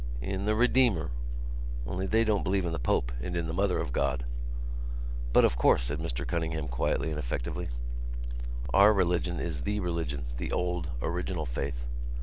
"... in the Redeemer. Only they don't believe in the Pope and in the mother of God." "But, of course," said Mr Cunningham quietly and effectively, "our religion is the religion, the old, original faith."